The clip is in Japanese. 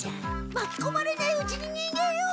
巻きこまれないうちににげよう！